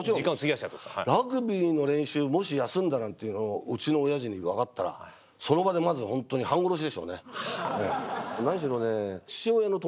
ラグビーの練習もし休んだなんていうのをうちの親父に分かったらその場でまず本当に半殺しでしょうね。